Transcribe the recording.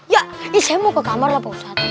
ya saya mau ke kamar pakusat